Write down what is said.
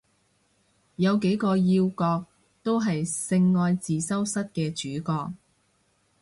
有幾個要角都係性愛自修室嘅主角